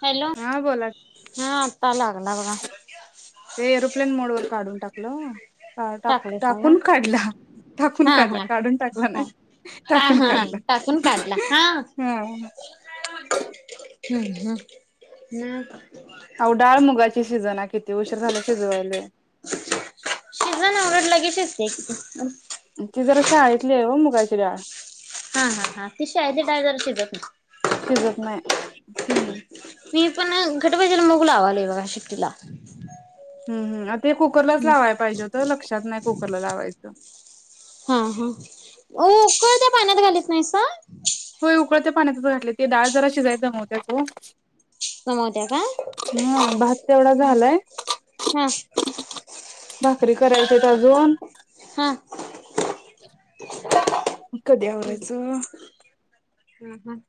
Hello हा बोला हा आता लागला बघा. ते एरोप्लेन मोड वर काढून टाकलं. टा टाकलेसा ना टाकून काढला टाकून हा काढला हा काढून टाकला हा नाही का टाकून हा काढला. टाकून काढला हा. हा हम्म हम्म नाय. अव डाळ मुगाची शिजना किती उशीर झाला शिजवायले. शिझन आवड ला ते. [unintelligible] ती जरा शाळेतलीय व मुगाची डाळ. हा हा हा ती शाळेतली डाळ जरा शीजत नाय. शिजत नाही मी पण घटबाजन मुग लावाले बघा शेतीला. हम्म हम्म आट ते कुकरलाच लावायला पाहिजे होत लक्षात नाही कुकरला लावायचं. ओ उकळत्या पाण्यात घालीत नाहीसा. होय उकळत्या पाण्यातच घातले ते डाळ जरा शिजायचं जमोहोत्या की हो गमवत्या का ह भात तेवढा झालाय. हा भाकरी करायचेेत अजून. हा [inaudible] कधी आवरायचं. ह ह.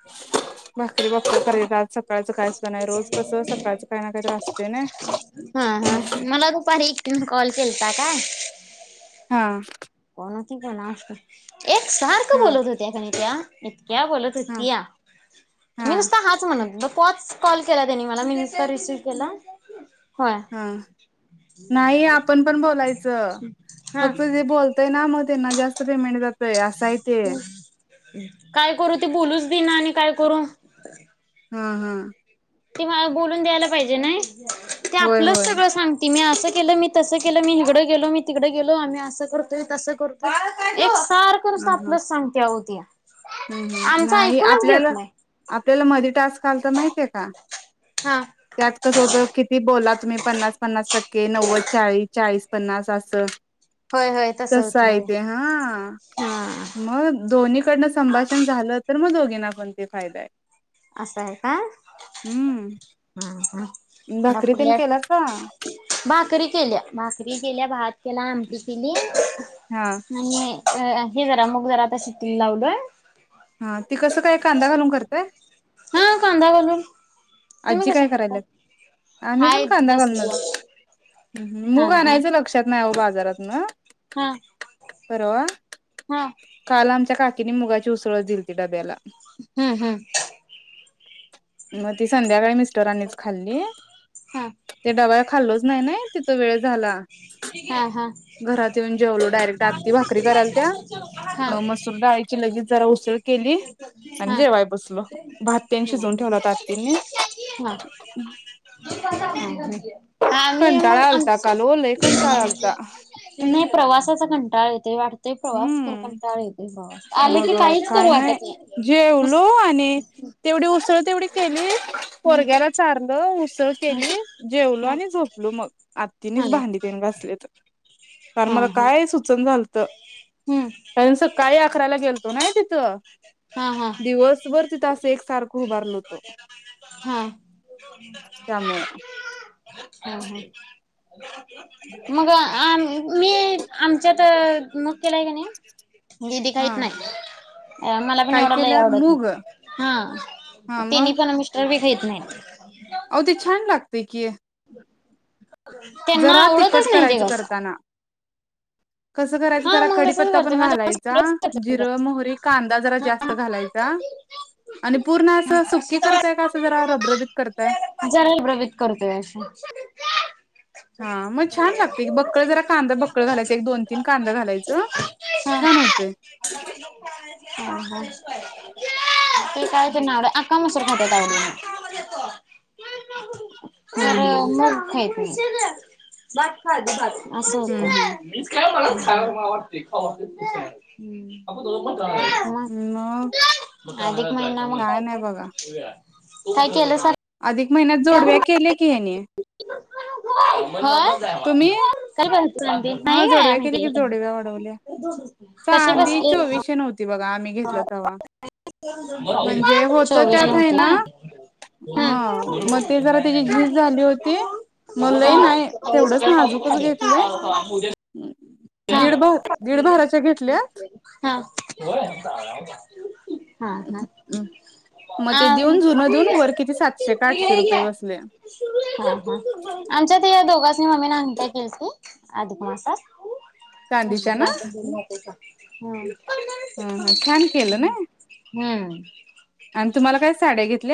भाकरी भाकरी करायच आज सकाळचं काय सुद्धा नाही रोज कसं सकाळचं काय ना कायतरी असतेय ना. हा हा मला दुपारी एकीन कॉल केलता काय. हा. कोण असत, एक सारखं हा बोलत होत्या कनी त्या. हा हा [unintelligible] पाच कॉल केला त्यांनी मला मी नुस्ता रिसीव केला. होय हा. हा तेना म तेना जास्त पेमेंट जातय असं आहे ते [inaudible] हा हा. ते मला बोलून द्यायला पाहिजे नाई, ते होय आपलंच होय सगळं सांगते मी अस केलं मी तसं केलं मी हिकडं गेलो मी तिकडं गेलो आम्ही असं सारकरच आपल्या सांगती आओ ती. हम्म हम्म. आमचं नाही ऐकूनच घेत आपल्याला नाही आपल्याला मधी टास्क आलता माहिते का? हा त्यात कसं होतं किती बोला तुम्ही पन्नास पन्नास टक्के नव्वद चाळीस चाळीस पन्नास असं. होय होय तसं होत होय तसंआहेते हा हा म दोन्हीकडं संभाषण झालं तर मग दोघीना पण ते फायदाय. असं आहे का? हम्म या भाकरी तेन केला का कुडल्यात भाकरी केल्या भात केला आमटी केली हा आणि अ हे जरा मुग जरा आता शेतील लावल. का? हा खांदा बलो. आजी काय करायलात आम्ही हाय पण कांदा बसली घालनच. हा मूग हा आणायचं लक्षात नाही हो बाजारात ना. हा बरवा हा काल आमच्या काकीने मुगाची उसळत दिली त डब्याला हम्म हम्म. मग ती संध्याकाळी मिस्टरांनीच खाल्ली. हा. खाल्लच नाही नाही तिथं वेळ झाला. हा हा. डायरे आ भारी करा हा म डग ज केली आणि हा हा जेवाय बसल भात्यांनी शिजवून ठेवलंात हा ह. हा मी मग कंटाळा आलता काल ओ लय कंटाळा आलता प्रवासाचा कंटाळ येते वाटतय प्रवास कर हम्म कंटाळ येते प्रवास आले मग की काहीच करू काय नाही वाटत. नाही जेवलो आणि तेवढी उसळ तेवढी केली. हम्म पोरग्याला हम्म चारलं उसळ केली जेवलो हा आणि झोपलो मग हा आत्िनेच भांडीतन असले तर कारण हा मला हा काय सुूचन झालत हम्म कार सकाळी अखराला गेलतो ना. हा हा दिवसभर तिथास एक सारखं उभारलव्हत. हा [inaudible] त्यामुळेळा अ. मग आम मी आमच्यात मग केलाय का नाही. निधी कााहीत हा नाही. मला पण काय एवढंला केल्यावर आवडत मूग नाही हा तनी पण मिस्टर ख नाही. अऔ ते छान लागते की त्यांना जरा तिखट आवडतच नाही ते करायचं कसं. करताना कसं करायचं हा जरा मग तसच कडीीपत्ता करते पण घालायचा माझ्या जिरं मोहरी कांदा जरा जास्त [inaudible] घालायचा. आणि पूर्ण असं सुकी करताय का असं जरा रबरबीत करताय जराही प्र्रभित करतोय असे. अ. हा मग छान लागत की बक्कळ जरा कांदा बकळ घालायच एक दोन तीन कांदा घालायच छान होते. ह हा. ते काय ते ना अकामसर खोटत आवली. हम्म तर हम्म मग ख नाही अस होत. हम्म मला वाटतेटणण हम्म मग मग अधिक महिना मग काय नाही काय? बघा कायतीलं स अधिक महिन्यात जोडव्या केल्या की याने ह. हो काय ब सगते हा नाही काय जोडव्या केल्या की म्ह जोडव्या वाढवल्या कसे चांदी बसते. चोवीसशे नव्हती बघा आम्ही घेतलच हवा म्हणजे होत चोवीस त्यात जण आहे होते ना. का हा मग ते जरा त्याची झीज झाली होती म लही नाही. तेवढंच नाजूकच घेतलंय. दीड भा दीड भाराच्या घेतल्या हा हा. हा हा. म ते देऊन आम जुनं देऊन वर किती सातशे का आठशे रुपये बसले. हा हा आमच्यात या दोघांसनी मम्मीनं अंगठ्या केलती अधिक मासात [unintelligible] चांदीच्या ना हम्म. हा हा छान केलं नाय. हम्म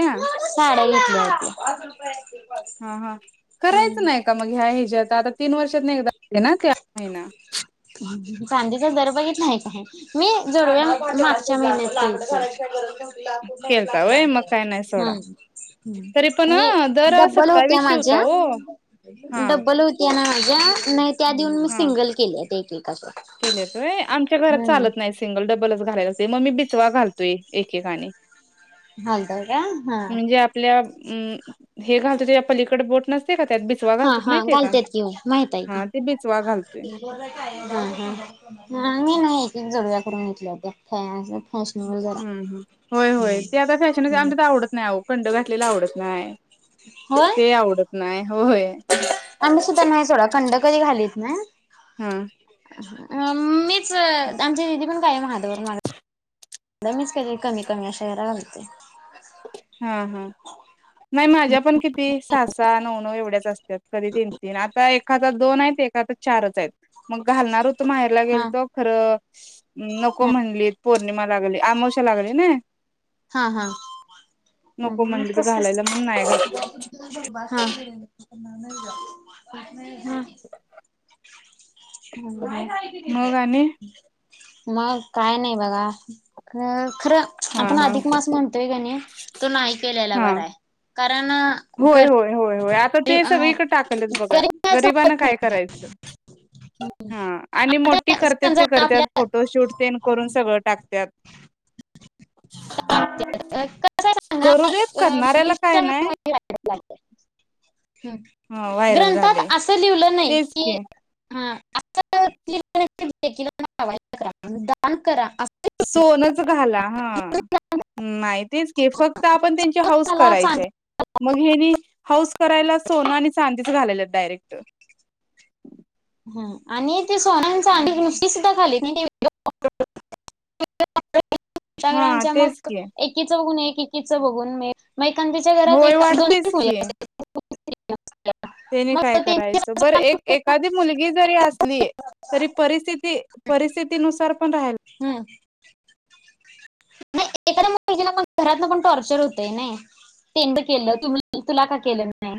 हा साड्या घेतल्या होती. हा हा करायचं नाइ का मग ह्या हेच्यात आता तीन वर्षातनं एकदा येणार [inaudible] चांदीचाच दर बघितला [unintelligible] हाय मी जोडव्या मागच्या महिन्यात केलती केलता वय मग काय नाही सोडा नाइ हम्म तरी पण म्हणजे दर डबल होत्या सत्तावीसशे माझ्या होता हो हा डबल होत्या माझ्या नाइ त्या देऊन मी सिंगल केल्यात एक एक केल्यात व्हय आमच्या घरात चालत नाइ सिंगल डबलचं घाला ते म मी बिचवा घालतोय एकेकाने घालताय काय हा. म्हणजे आपल्या हे घालतो तेज्या पलीकडं बोट नस हा हा घालत्यात की माहित हाय हा ते बिचवा घालतोय. की हा मी नाइ एक एक जोडव्या करून घेतल्या होत्या [unintelligible] जरा. हम्म हम्म होय होय ते आता फॅशनचं हाय आमच्यात आवडत नाइ ओ कंड घातलेला आवडत नाय होय होय आम्ही सुद्धा नाई सोडा कंड कधी घालीत नाई हम्म. मीच अं आमच्या दिदी पण कायम हातभर माग मीच कायतरी कमी कमी अशा घरा घालते. नाइ माझ्या पण किती सा सा नऊ न हूं एवढ्याच असत्यात कधी तीन तीन आता एका हातात दोन हाईत एका हातात चारच हायत मग घालणार हुत त माहेरला हा गेलतो खरं नको म्हणलीत पोर पौर्णिमा लागली अमावस्या लागली नाय हा हा. [unintelligible] म्हणलीत तसचं घालायला म्हणून नाही घातलं. हा. हम्म. [inaudible] मग आणि मग काय नाई बघा खर खरं हा आपण हा अधिक धिक मास म्हणतोय कनी तो नाइ केलेला हा. बराय कारण घर व्हय आता ते सगळीकडं टाकाल्यात बघा गरीब होत गरिबानं काय नाही करायचं? हा आणि मोठी आता करत्यात ते समजा करत्यात आपल्या फोटोशूट तेन करून सगळं टाकत्यात. [inaudible] करू देत करणाऱ्याला काय नाही [inaudible] ह हम्म व्हायरल ग्रंथात झाले असं लिवलं नाइ तेच कि की हा [unintelligible] दान करा आ सोनचं घाला हा आ नाई तेच की फक्त आपण तेनची हौस त्याला चांदी करायचीय मग हेनी हौस करायला सोनं आणि चांदीचं घालाल्यात डायरेक्ट हा आणि ती सोनं आणि चांदी नुसती सुद्धा [unintelligible] [unintelligible] हा इन्स्टाग्रामच्या तेच मग की एकीचं बघून एक एकीच बघून मे म एकांदीच्या घरात होय एक वाटतयच [unintelligible] तेनी मग काय त्यांच्या करायचं बरं एक एखादी मुलगी जरी असली तरी परिस्थिती परिस्थितीनुसार पण राहि हा. [unintelligible] घरात पण टॉर्चर होतय नई. टेंड केलं [unintelligible] तुला का केलं नाई?